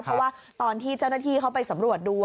เพราะว่าตอนที่เจ้าหน้าที่เขาไปสำรวจดู